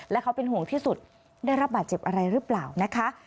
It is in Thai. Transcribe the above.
และเขาเป็นห่วงที่สุดได้รับบาดเจ็บอะไรหรือเปล่านะคะ